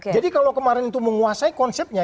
jadi kalau kemarin itu menguasai konsepnya